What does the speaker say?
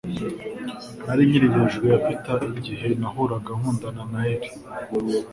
Nari nkiri hejuru ya Peter igihe nahuraga nkundana na Harry